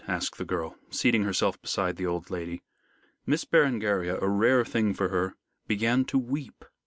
asked the girl, seating herself beside the old lady. Miss Berengaria, a rare thing for her, began to weep.